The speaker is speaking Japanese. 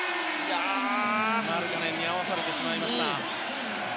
マルカネンに合わされてしまいました。